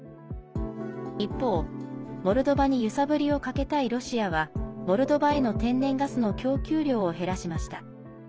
一方、モルドバに揺さぶりをかけたいロシアはモルドバへの天然ガスの供給量を減らしました。